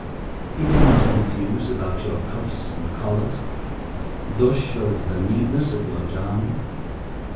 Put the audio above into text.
He did not enthuse about your cuffs and collars, gush over the neatness of your darning.